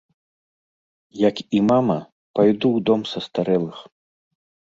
Як і мама, пайду ў дом састарэлых.